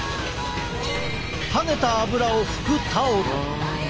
はねた油をふくタオル。